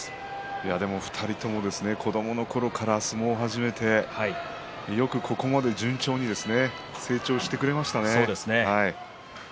でも２人とも子どものころから相撲を始めてよくここまで順調に成長してくれましたね。